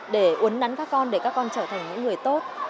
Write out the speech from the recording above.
để uốn nắn các con để các con trở thành những người tốt